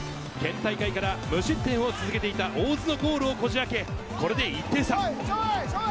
県大会から無失点を続けてきた大津のゴールをこじあけ、これで１点差。